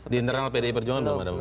di internal pdi perjuangan belum ada